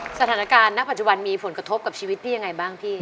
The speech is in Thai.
สถานการณ์ณปัจจุบันมีผลกระทบกับชีวิตพี่ยังไงบ้างพี่